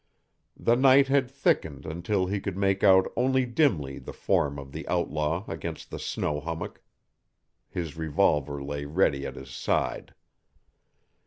The night had thickened until he could make out only dimly the form of the outlaw against the snow hummock. His revolver lay ready at his side.